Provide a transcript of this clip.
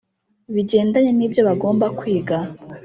bigendanye n’ibyo bagomba kwiga,